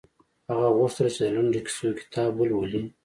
هغه غوښتل چې د لنډو کیسو کتاب ولولي